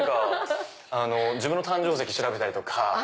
自分の誕生石調べたりとか。